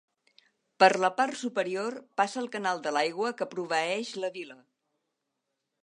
Per la part superior passa el canal de l'aigua que proveeix la vila.